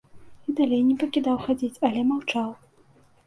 І далей не пакідаў хадзіць, але маўчаў.